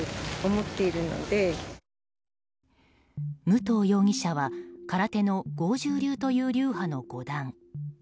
武藤容疑者は空手の剛柔流という流派の５段。